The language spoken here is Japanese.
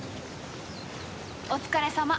お疲れさま。